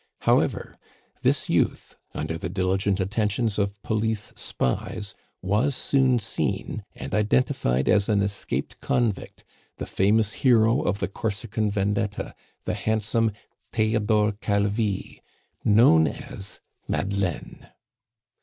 However, this youth, under the diligent attentions of police spies, was soon seen and identified as an escaped convict, the famous hero of the Corsican vendetta, the handsome Theodore Calvi, known as Madeleine.